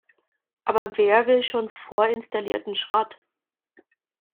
Aber wer will schon vorinstallierten Schrott?